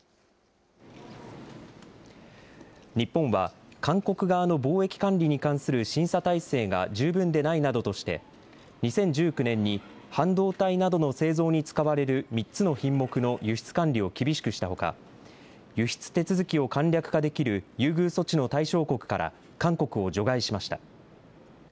日本は、韓国側の貿易管理に関する審査体制が十分でないなどとして、２０１９年に半導体などの製造に使われる３つの品目の輸出管理を厳しくしたほか、輸出手続きを簡略化できる優遇措置の対象国から韓国を除外しました。